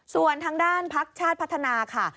ส่วนทางด้านพักชาติพัฒนาค่ะ